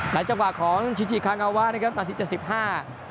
จังหวะของชิจิคางาวะนะครับนาทีเจ็ดสิบห้า